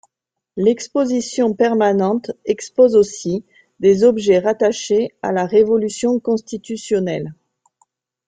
L'exposition permanente expose aussi des objets rattachés à la révolution constitutionnelle.